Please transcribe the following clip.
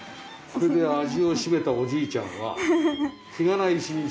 これで味を占めたおじいちゃんは日がな一日。